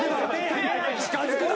近づくな！